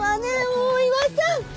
大岩さん！